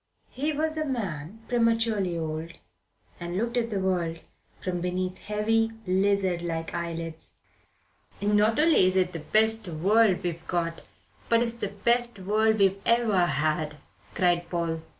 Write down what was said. He was a man prematurely old, and looked at the world from beneath heavy, lizard like eyelids. "Not only is it the best world we've got, but it's the best world we've ever had," cried Paul.